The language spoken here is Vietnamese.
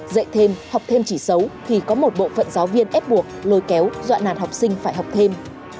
dạy thêm học thêm chỉ xấu thì có một bộ phận giáo viên ép buộc lôi kéo dọa nản học sinh phải học thêm